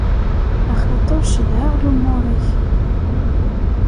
Axaṭer cedhaɣ lumur-ik.